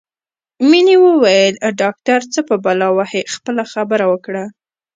مينې وویل ډاکټر څه په بلا وهې خپله خبره وکړه